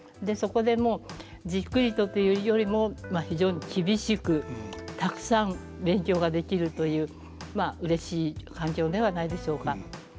そこでもうじっくりとというよりも非常に厳しくたくさん勉強ができるというまあうれしい環境ではないでしょうか。